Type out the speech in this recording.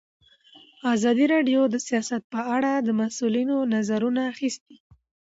ازادي راډیو د سیاست په اړه د مسؤلینو نظرونه اخیستي.